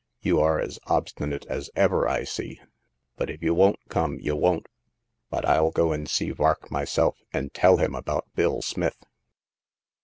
You are as obstinate as ever, I see ; but if you won't come, you won't. But I'll go and see Vark myself, and tell him about Bill Smith."